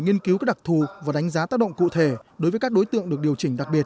nghiên cứu các đặc thù và đánh giá tác động cụ thể đối với các đối tượng được điều chỉnh đặc biệt